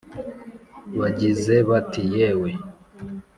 Bagize bati: yewe